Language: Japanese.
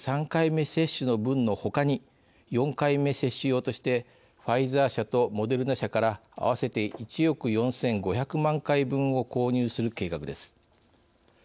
３回目接種の分のほかに４回目接種用としてファイザー社とモデルナ社からあわせて１億４５００万回分を購入する計画です。